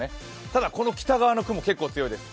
ただこの北側の雲、結構強いです。